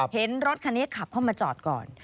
เห็นรถคันนี้ขับเข้ามาจอดก่อน